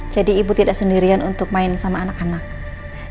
jadi ibu tidak sendirian untuk main sama anak anak